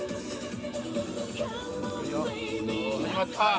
始まった！